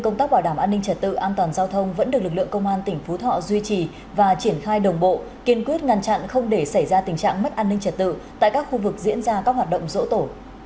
công an tỉnh phú thọ vẫn được lực lượng công an tỉnh phú thọ duy trì và triển khai đồng bộ kiên quyết ngăn chặn không để xảy ra tình trạng mất an ninh trật tự tại các khu vực diễn ra các hoạt động dỗ tổ